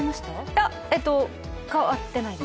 いや、変わってないです。